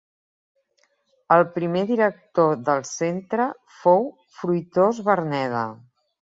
El primer director del centre fou Fruitós Verneda.